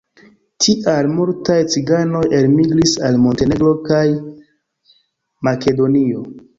Tial multaj ciganoj elmigris al Montenegro kaj Makedonio.